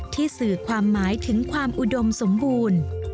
สื่อความหมายถึงความอุดมสมบูรณ์